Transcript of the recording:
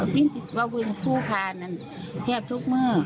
มีดตัววึงคูขานั้นแทบทุกเมื่อ